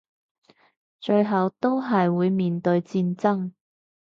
最後都係會面對戰爭